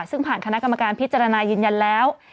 ซึ่งผ่านคณะกรรมการพิจารณายืนยันแล้ว